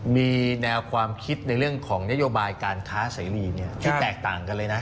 มีแนวความคิดในเรื่องของนโยบายการค้าเสรีที่แตกต่างกันเลยนะ